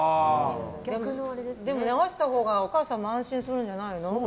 でも、会わせたほうが安心するんじゃないの？